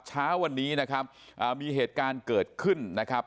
เช้าวันนี้นะครับมีเหตุการณ์เกิดขึ้นนะครับ